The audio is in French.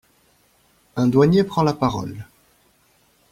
Un douanier prend la parole...